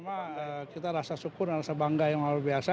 harapannya harapan pertama kita rasa syukur dan rasa bangga yang luar biasa